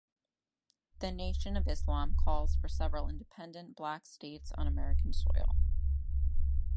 The Nation of Islam calls for several independent black states on American soil.